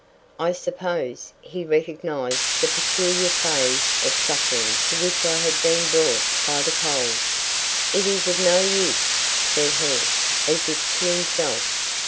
I suppose, he recognized the peculiar phase of suffering to which I had been brought by the cold. "It is of no use," said he, as if to himself.